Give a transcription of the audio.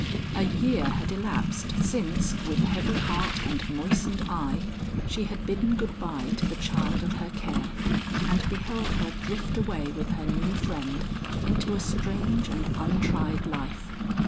A year had elapsed since, with heavy heart and moistened eye, she had bidden good bye to the child of her care, and beheld her drift away with her new friend into a strange and untried life.